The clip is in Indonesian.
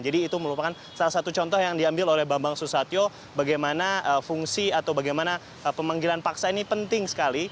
jadi itu merupakan salah satu contoh yang diambil oleh bambang susatyo bagaimana fungsi atau bagaimana pemanggilan paksa ini penting sekali